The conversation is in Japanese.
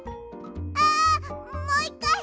あもう１かい！